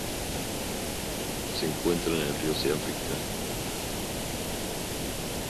Se encuentran en ríos de África: Sierra Leona.